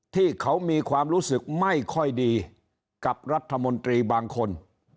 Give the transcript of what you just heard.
ที่เขามีความรู้สึกไม่ค่อยดีกับรัฐมนตรีบางคน